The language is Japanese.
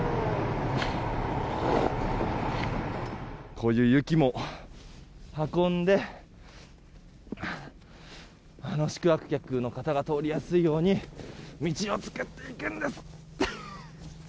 こういう雪も運んで宿泊客の方が通りやすいように道を作っていくんです。